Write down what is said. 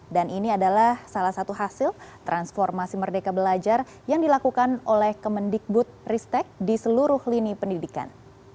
dan ini adalah salah satu hasil transformasi merdeka belajar yang dilakukan oleh kemendikbud ristek di seluruh lini pendidikan